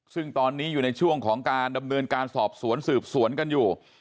ซึ่งตอนนี้อยู่ในช่วงของการดำเนินการสอบสวนสืบสวนกันอยู่